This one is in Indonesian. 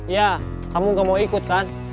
ya kamu gak mau ikut kan